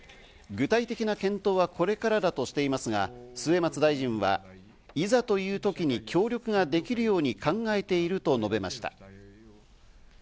具体的な検討はこれからだとしていますが、末松大臣はいざという時に協力ができるように考えていると述べました。